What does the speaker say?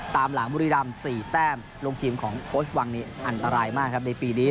ตามหลังบุรีรำ๔แต้มลงทีมของโค้ชวังนี้อันตรายมากครับในปีนี้